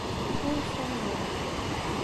Ur ffunzrent.